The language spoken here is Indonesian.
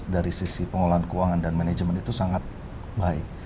dari sisi pengelolaan keuangan dan manajemen itu sangat baik